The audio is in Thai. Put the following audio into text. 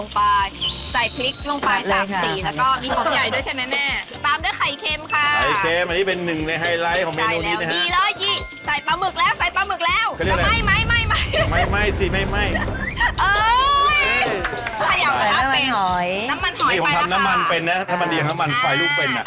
น้ำมันเป็นนะนะที่ทำมันยากน้ำมันไข่ลูกเป็นอะ